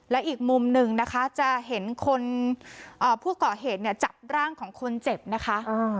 และอีกมุมหนึ่งนะคะจะเห็นคนผู้เกาะเหตุเนี่ยจับร่างของคนเจ็บนะคะ